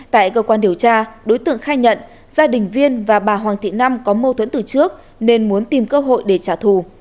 tại cơ quan điều tra đối tượng khai nhận gia đình viên và bà hoàng thị năm có mâu thuẫn từ trước nên muốn tìm cơ hội để trả thù